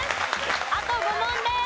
あと５問です。